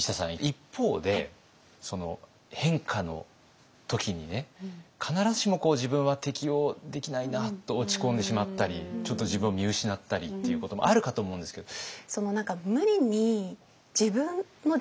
一方で変化の時にね必ずしも自分は適応できないなと落ち込んでしまったりちょっと自分を見失ったりっていうこともあるかと思うんですけど。